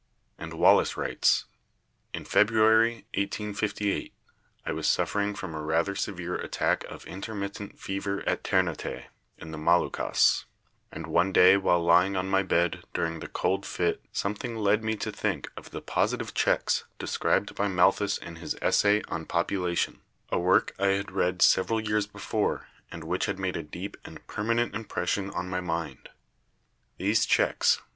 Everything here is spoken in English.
And Wallace writes: "In February, 1858, I was suffer ing from a rather severe attack of intermittent fever at Ternate, in the Moluccas, and one day while lying on my bed during the cold fit something led me to think of the 'positive checks' described by Malthus in his 'Essay on Population/ a work I had read several years before and which had made a deep and permanent impression on my mind. These checks